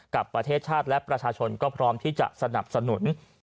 กับประเทศชาติและประชาชนก็พร้อมที่จะสนับสนุน